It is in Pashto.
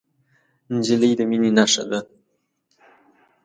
نجلۍ د مینې نښه ده.